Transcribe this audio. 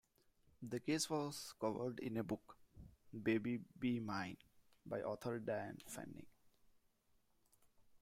The case was covered in a book, "Baby Be Mine", by author Diane Fanning.